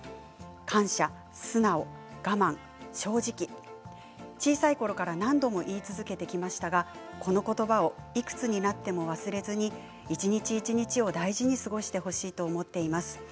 感謝、素直、我慢、正直小さいころから何度も言い続けてきましたがこの言葉をいくつになっても忘れずに一日一日を大事に過ごしてほしいと思っています。